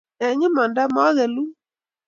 Eng imanda magelun